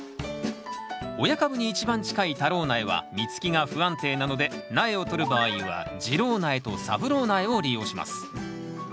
親株に一番近い太郎苗は実つきが不安定なので苗を取る場合は次郎苗と三郎苗を利用します。